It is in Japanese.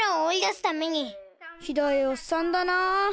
ひどいおっさんだな。